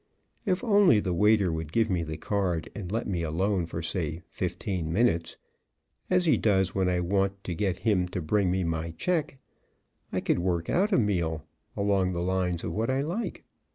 If only the waiter would give me the card and let me alone for, say, fifteen minutes, as he does when I want to get him to bring me my check, I could work out a meal along the lines of what I like.